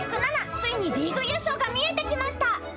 ついにリーグ優勝が見えてきました。